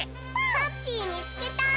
ハッピーみつけた！